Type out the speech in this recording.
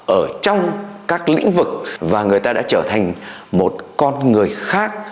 ở trong các lĩnh vực và người ta đã trở thành một con người khác